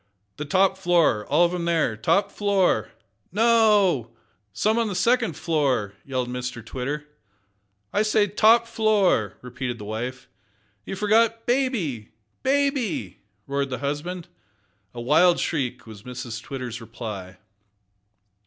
"The top floor! all of 'em there! top flo o o r!" "No no o o! some on the second fl o o or!" yelled Mr Twitter. "I say top floo o o r," repeated the wife. "You forget baby ba i by!" roared the husband. A wild shriek was Mrs Twitter's reply.